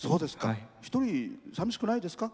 一人さみしくないですか？